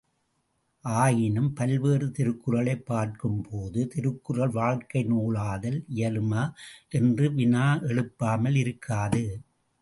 ஆயினும் பல்வேறு திருக்குறளைப் பார்க்கும்போது திருக்குறள் வாழ்க்கை நூலாதல் இயலுமா என்ற வினா எழும்பாமல் இருக்காது.